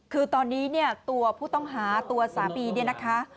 คือตอนนี้เนี่ยตัวผู้ต้องหาตัวสามีเนี่ยนะคะ